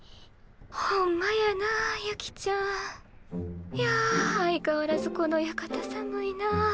ほんまやなあユキちゃん。や相変わらずこの屋形寒いなあ。